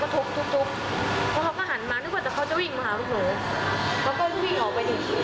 เขาก็ทุบทุบทุบ